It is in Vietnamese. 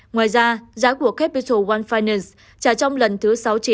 ngoài ra giá của capital one finance trả trong lần thứ sáu chín